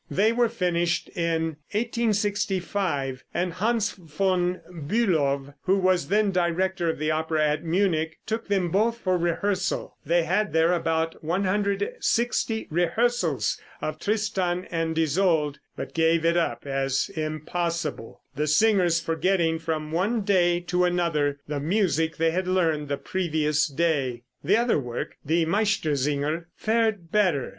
They were finished in 1865, and Hans von Bülow, who was then director of the opera at Munich, took them both for rehearsal; they had there about 160 rehearsals of "Tristan and Isolde" but gave it up as impossible, the singers forgetting from one day to another the music they had learned the previous day. The other work, "Die Meistersinger," fared better.